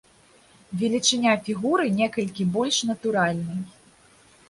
Велічыня фігуры некалькі больш натуральнай.